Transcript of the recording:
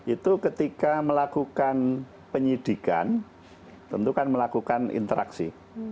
itu ketika melakukan penyidikan tentukan melakukan interaksi